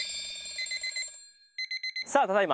さあただいま